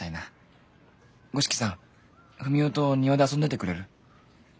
五色さんふみおと庭で遊んでてくれる？